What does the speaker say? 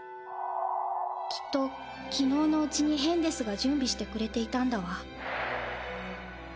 きっときのうのうちにヘンデスがじゅんびしてくれていたんだわ。